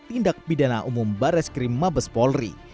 tindak pidana umum barreskrim mabes polri